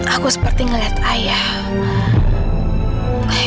aku seperti ngeliat ayah